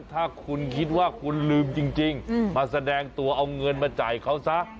ถ้าคุณคิดว่าคุณลืมจริงมาแสดงตัวเอาเงินมาจ่ายเขาซะ